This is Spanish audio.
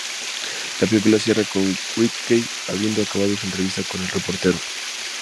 La película cierra con Whittaker habiendo acabado su entrevista con el reportero.